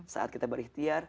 saat kita berikhtiar